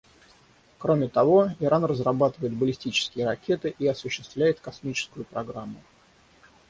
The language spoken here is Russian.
Кроме того, Иран разрабатывает баллистические ракеты и осуществляет космическую программу.